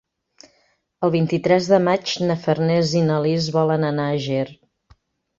El vint-i-tres de maig na Farners i na Lis volen anar a Ger.